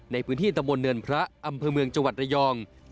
ในพื้นที่ตะบนเนินพระอำเภอเมืองจังหวัดระยอง